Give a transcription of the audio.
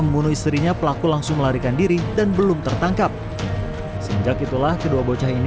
membunuh istrinya pelaku langsung melarikan diri dan belum tertangkap semenjak itulah kedua bocah ini